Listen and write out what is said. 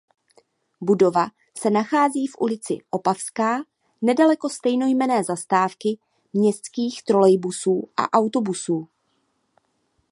Budova se nachází v ulici Opavská nedaleko stejnojmenné zastávky městských trolejbusů a autobusů.